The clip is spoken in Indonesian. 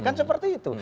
kan seperti itu